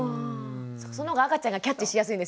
そのほうが赤ちゃんがキャッチしやすいんですね。